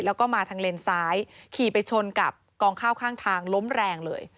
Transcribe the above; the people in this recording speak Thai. แล้วก็มาทางเลนซ้ายขี่ไปชนกับกองข้าวข้างทางล้มแรงเลย